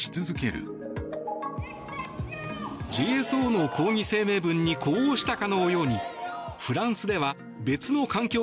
ＪＳＯの抗議声明文に呼応したかのようにフランスでは別の環境